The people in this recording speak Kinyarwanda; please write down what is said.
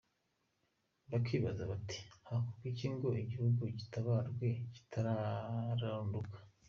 Bakibaza bati hakorwa iki ngo igihugu gitabarwe kitararunduka?